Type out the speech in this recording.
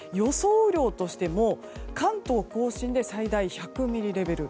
雨量としても、関東・甲信で最大１００ミリレベル